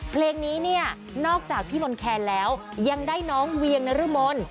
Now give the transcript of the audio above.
เพลงนี้เนี่ยนอกจากพี่มนต์แคนแล้วยังได้น้องเวียงนรมน